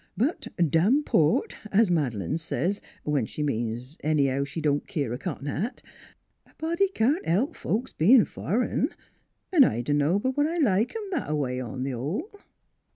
But, dam port, as Mad'lane says when she means, anyhow, she don't keer a cotton NEIGHBORS 185 hat a body can't help folks bein' fur'n; an' I dunno but what I like 'em that away on th' hull."